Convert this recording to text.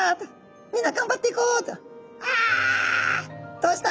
どうした？